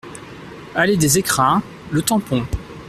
Allée des Ecrins, Le Tampon